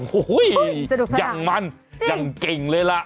โอ้โหยังมันยังเก่งเลยล่ะ